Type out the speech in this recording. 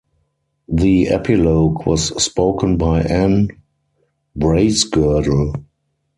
The epilogue was spoken by Anne Bracegirdle.